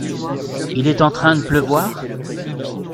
Il est en train de pleuvoir ?